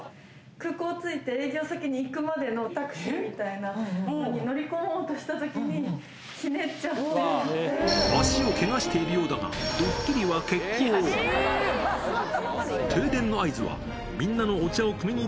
空港着いて、営業先に行くまでのタクシーみたいなのに乗り込もうとしたときに、足をけがしているようだが、ドッキリは決行。